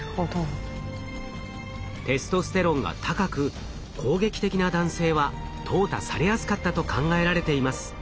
テストステロンが高く攻撃的な男性は淘汰されやすかったと考えられています。